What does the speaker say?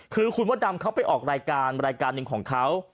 คือคุณมดดำเขาไปออกรายการรายการหนึ่งของเขา